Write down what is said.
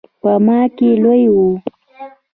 په ما کې لوی و.